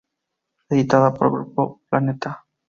Editada por Grupo Planeta.